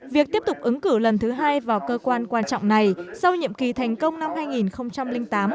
việc tiếp tục ứng cử lần thứ hai vào cơ quan quan trọng này sau nhiệm kỳ thành công năm hai nghìn tám hai nghìn chín